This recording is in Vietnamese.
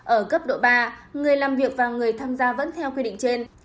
ở cấp độ ba người làm việc và người tham gia vẫn theo quy định trên